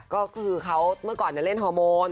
ก็คือเขาเมื่อก่อนเล่นฮอร์โมน